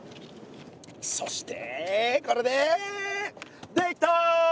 そしてこれでできた！